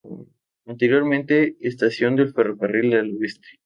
Anteriormente estación del Ferrocarril del Oeste.